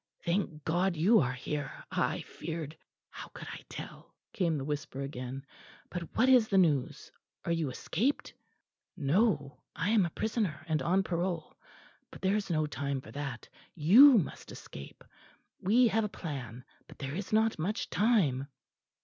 Thank God you are here. I feared " "How could I tell?" came the whisper again. "But what is the news? Are you escaped?" "No, I am a prisoner, and on parole. But there is no time for that. You must escape we have a plan but there is not much time."